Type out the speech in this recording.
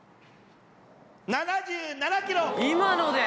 ７７キロ！